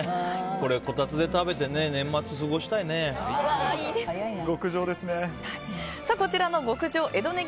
これをこたつで食べて年末過ごしたいね。